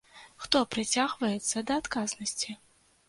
Хто прыцягваецца да адказнасці?